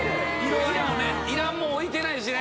いらんもん置いてないしね。